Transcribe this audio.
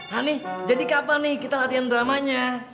hani jadi kapan nih kita latihan dramanya